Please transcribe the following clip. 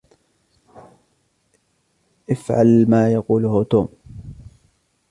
إفعلى ما يقوله توم.